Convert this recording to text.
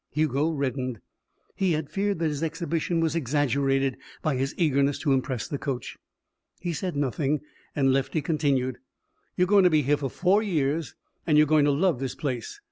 Hugo reddened. He had feared that his exhibition was exaggerated by his eagerness to impress the coach. He said nothing and Lefty continued: "You're going to be here for four years and you're going to love this place.